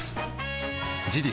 事実